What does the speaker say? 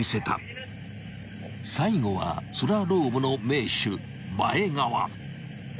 ［最後はスラロームの名手前川］